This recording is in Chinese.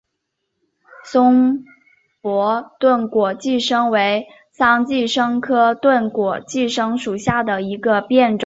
松柏钝果寄生为桑寄生科钝果寄生属下的一个变种。